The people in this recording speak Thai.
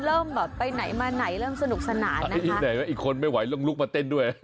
เริ่มไปไหนมาไหนเริ่มจนกสนานนะอีกคนไม่ไหวลู้งลุกมาเต้นด้วย